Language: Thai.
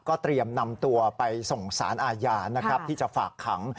เตรียมนำตัวไปส่งสารอาญานะครับที่จะฝากขัง